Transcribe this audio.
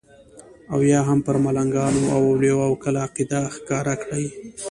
او یا هم پر ملنګانو او اولیاو کلکه عقیده ښکاره کړي.